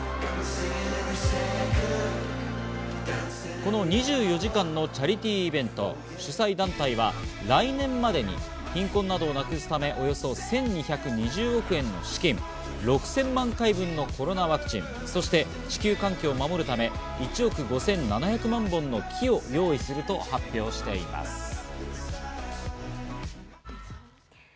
この２４時間のチャリティーイベント、主催団体は来年までに貧困などをなくすため、およそ１２２０億円の資金、６０００万回分のコロナワクチン、そして地球環境を守るため１億５７００万本の木を用意すると発表しました。